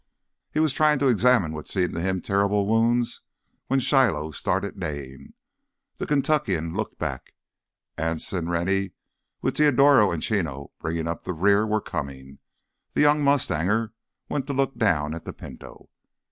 He was trying to examine what seemed to him terrible wounds, when Shiloh started neighing. The Kentuckian looked back. Anse and Rennie, with Teodoro and Chino bringing up the rear, were coming. The young mustanger went to look down at the Pinto.